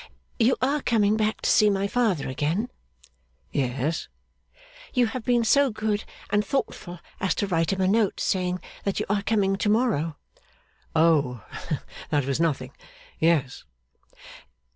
You are coming back to see my father again?' 'Yes.' 'You have been so good and thoughtful as to write him a note, saying that you are coming to morrow?' 'Oh, that was nothing! Yes.